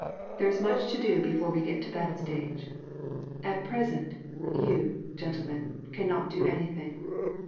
There is much to do before we get to that stage. At present, you, gentlemen, cannot do anything.